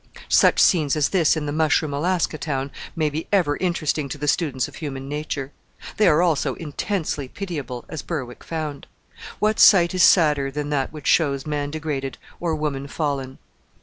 Such scenes as this in the mushroom Alaska town may be ever interesting to the students of human nature; they are also intensely pitiable, as Berwick found. What sight is sadder than that which shows man degraded, or woman fallen?